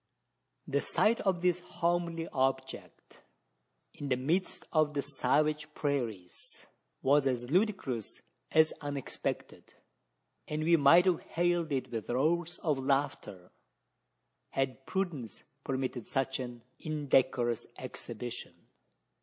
The sight of this homely object, in the midst of the savage prairies, was as ludicrous as unexpected; and we might have hailed it with roars of laughter, had prudence permitted such an indecorous exhibition.